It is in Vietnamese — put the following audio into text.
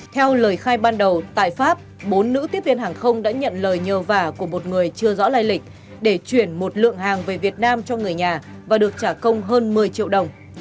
theo lời khai ban đầu tại pháp bốn nữ tiếp viên hàng không đã nhận lời nhờ vả của một người chưa rõ lai lịch để chuyển một lượng hàng về việt nam cho người nhà và được trả công hơn một mươi triệu đồng